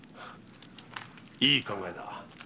いい考えだ。